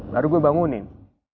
baru gue bangunin